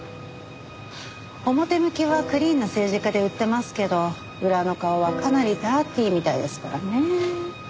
表向きはクリーンな政治家で売ってますけど裏の顔はかなりダーティーみたいですからね。